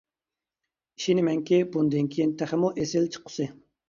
ئىشىنىمەنكى بۇندىن كېيىن تېخىمۇ ئېسىل چىققۇسى!